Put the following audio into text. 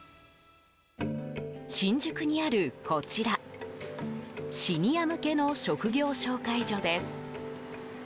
新宿にある、こちらシニア向けの職業紹介所です。